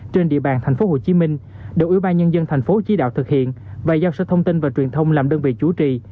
trên địa bàn tp hcm được ủy ban nhân dân tp hcm thực hiện và giao sơ thông tin và truyền thông làm đơn vị chủ trì